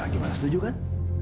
gimana setuju kan